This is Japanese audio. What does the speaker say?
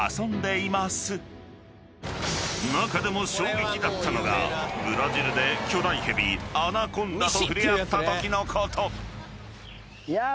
［中でも衝撃だったのがブラジルで巨大蛇アナコンダと触れ合ったときのこと］